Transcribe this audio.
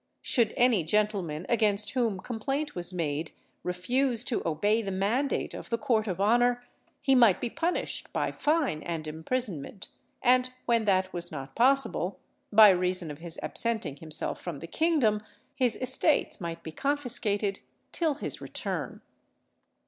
Should any gentleman against whom complaint was made refuse to obey the mandate of the court of honour, he might be punished by fine and imprisonment; and when that was not possible, by reason of his absenting himself from the kingdom, his estates might be confiscated till his return.